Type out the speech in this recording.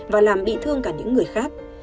và làm bị thương cả những người khác